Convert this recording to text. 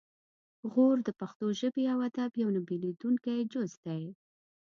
غور د پښتو ژبې او ادب یو نه بیلیدونکی جز دی